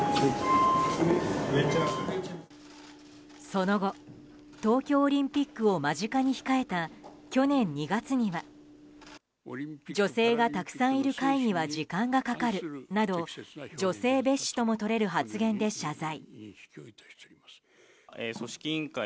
その後、東京オリンピックを間近に控えた去年２月には女性がたくさんいる会議は時間がかかるなど女性蔑視ともとれる発言で謝罪。